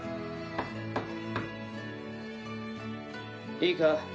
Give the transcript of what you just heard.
いいか？